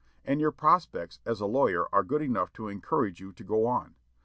And your prospects as a lawyer are good enough to encourage you to go on.